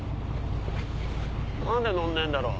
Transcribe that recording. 何で乗んないんだろう？